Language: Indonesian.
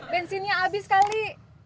bensinnya abis kali